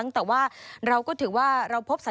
สวัสดีค่ะสวัสดีค่ะ